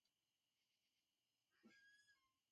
De natuer in hantsje helpe is hieltyd gewoaner wurden.